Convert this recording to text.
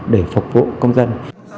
để phục vụ công dân